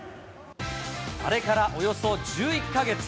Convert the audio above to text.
あれからおよそ１１か月。